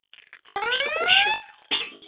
Пшӏыкӏущы.